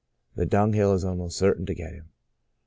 The dunghill is almost certain to get him.